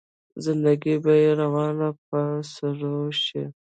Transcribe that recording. زنده ګي به يې روانه په سرور شي